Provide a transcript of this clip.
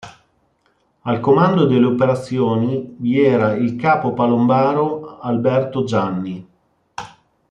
Al comando delle operazioni vi era il capo palombaro Alberto Gianni.